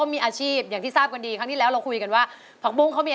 มีอะไรอีกไหมคะคุณแม่